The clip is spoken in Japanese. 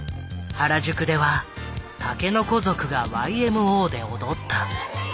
原宿では竹の子族がＹＭＯで踊った。